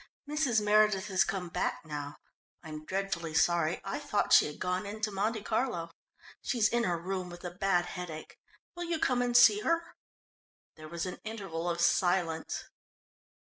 "Mrs. Meredith has come back now. I'm dreadfully sorry, I thought she had gone into Monte Carlo. She's in her room with a bad headache. Will you come and see her?" There was an interval of silence.